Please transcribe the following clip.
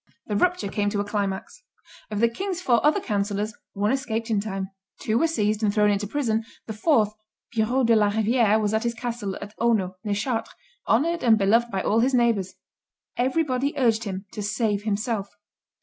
The rupture came to a climax. Of the king's four other councillors one escaped in time; two were seized and thrown into prison; the fourth, Bureau de la Riviere was at his castle of Auneau, near Chartres, honored and beloved by all his neighbors. Everybody urged him to save himself.